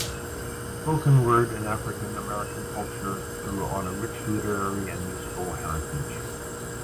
Spoken word in African American culture drew on a rich literary and musical heritage.